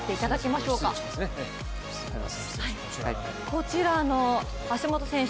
こちらの橋本選手